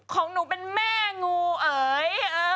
ของหนูเป็นแม่งูเอ๋ย